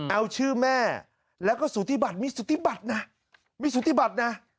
เอาชื่อแม่แล้วก็สุธิบัติมีสุธิบัตินะ